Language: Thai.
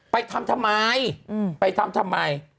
ไปทำทำไมไปทำทำไม